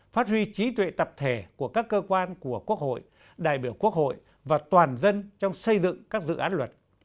phát huy trí tuệ tập thể của các cơ quan của quốc hội đại biểu quốc hội và toàn dân trong xây dựng các dự án luật